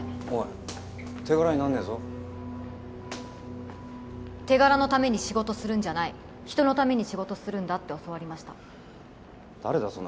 おい手柄になんねぇぞ手柄のために仕事するんじゃない人のために仕事するんだって教わりました誰だ？